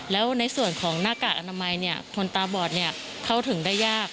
แล้วในส่วนของหน้ากากอนามัยคนตาบอดเข้าถึงได้ยาก